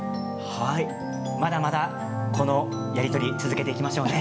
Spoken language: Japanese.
まだまだこの、やり取り続けていきましょうね。